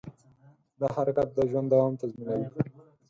دا حرکت د ژوند دوام تضمینوي.